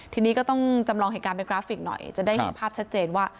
ทีนี้ก็ต้องจำลองเหตุการณ์เป็นกราฟิกหน่อยจะได้เห็นภาพชัดเจนว่า